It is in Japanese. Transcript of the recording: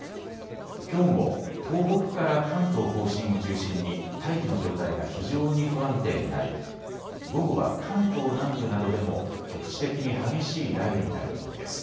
きょうも東北から関東甲信を中心に大気の状態が非常に不安定になり午後は関東南部などでも局地的に激しい雷雨になる見込みです。